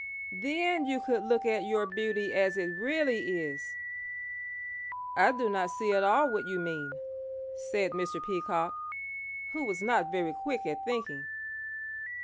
Then you could look at your beauty as it really is." "I do not see at all what you mean," said Mr. Peacock, who was not very quick at thinking.